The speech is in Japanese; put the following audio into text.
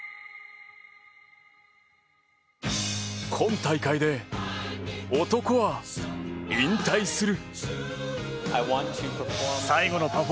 今大会で、男は引退する。